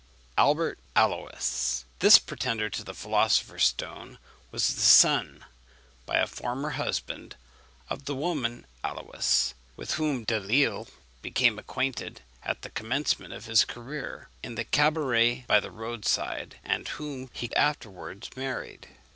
ALBERT ALUYS. This pretender to the philosopher's stone was the son, by a former husband, of the woman Aluys, with whom Delisle became acquainted at the commencement of his career, in the cabaret by the road side, and whom he afterwards married.